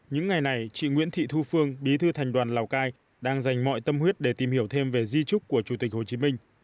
những ngày này chị nguyễn thị thu phương bí thư thành đoàn lào cai đang dành mọi tâm huyết để tìm hiểu thêm về di trúc của chủ tịch hồ chí minh